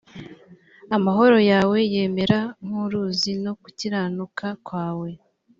amahoro yawe yamera nk uruzi no gukiranuka kwawe